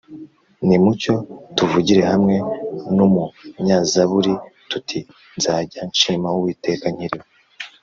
nimucyo tuvugire hamwe n’umunyazaburi tuti: “nzajya nshima uwiteka nkiriho,